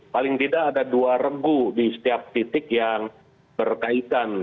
paling tidak ada dua regu di setiap titik yang berkaitan